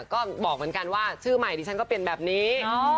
ข้อนี้รับรัชการว่าชื่อใหม่ก็เปลี่ยนแบบนี้